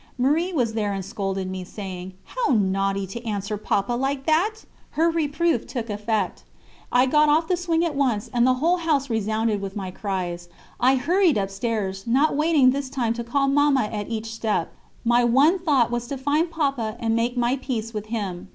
Marie was there and scolded me, saying: "How naughty to answer Papa like that!" Her reproof took effect; I got off the swing at once, and the whole house resounded with my cries. I hurried upstairs, not waiting this time to call Mamma at each step; my one thought was to find Papa and make my peace with him.